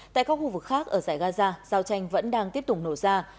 tại các khu vực khác ở giải gaza giao tranh vẫn đang tiếp tục nổ ra